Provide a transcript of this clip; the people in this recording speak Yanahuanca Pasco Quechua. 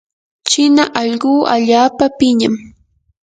china allquu allaapa piñam.